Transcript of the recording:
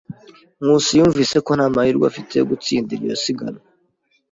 Nkusi yumvise ko nta mahirwe afite yo gutsinda iryo siganwa.